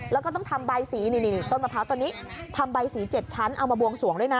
แล้วก็ต้องทำใบสีนี่ต้นมะพร้าวตัวนี้ทำใบสี๗ชั้นเอามาบวงสวงด้วยนะ